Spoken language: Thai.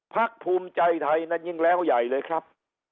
พักภูมิใจไทยนั้นยิ่งแล้วใหญ่เลยครับ